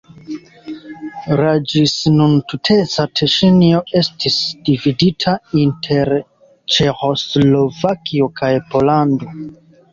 La ĝis nun tuteca Teŝinio estis dividita inter Ĉeĥoslovakio kaj Pollando.